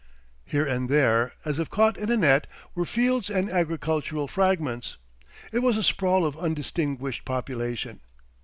Here and there, as if caught in a net, were fields and agricultural fragments. It was a sprawl of undistinguished population.